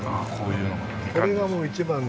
これがもう一番の。